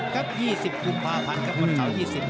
๒๐ครับ๒๐คุมภาพันธ์